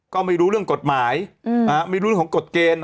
ก็ไม่รู้เรื่องกฎหมายไม่รู้เรื่องของกฎเกณฑ์